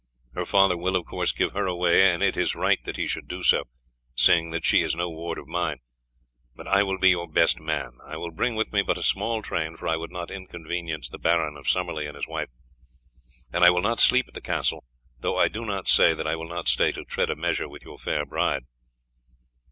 Her father will, of course, give her away, and it is right that he should do so, seeing that she is no ward of mine; but I will be your best man. I will bring with me but a small train, for I would not inconvenience the Baron of Summerley and his wife, and I will not sleep at the castle; though I do not say that I will not stay to tread a measure with your fair bride."